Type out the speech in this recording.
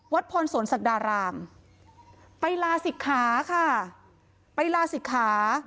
พรสวนศักดารามไปลาศิกขาค่ะไปลาศิกขา